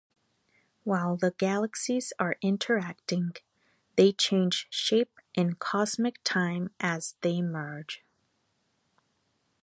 While the galaxies are interacting, they change shape in cosmic time as they merge.